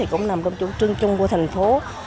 cũng nằm trong trung trung của thành phố